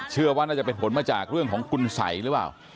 เชื่อว่าน่าจะเป็นผลมาจากเรื่องของคุณสัยหรือเปล่า